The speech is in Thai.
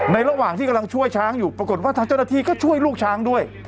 ระหว่างที่กำลังช่วยช้างอยู่ปรากฏว่าทางเจ้าหน้าที่ก็ช่วยลูกช้างด้วย